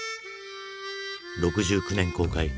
６９年公開